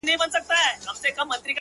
ماته خوښي راكوي ـ